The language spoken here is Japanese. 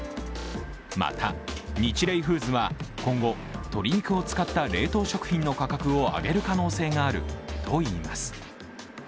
またニチレイフーズは今後、鶏肉を使った冷凍食品の価格を上げる可能性があるといいます。